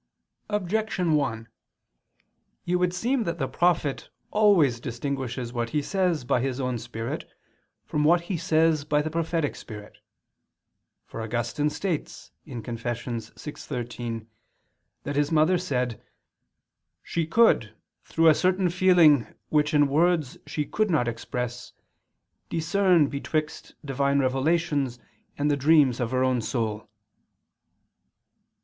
Objection 1: It would seem that the prophet always distinguishes what he says by his own spirit from what he says by the prophetic spirit. For Augustine states (Confess. vi, 13) that his mother said "she could, through a certain feeling, which in words she could not express, discern betwixt Divine revelations, and the dreams of her own soul."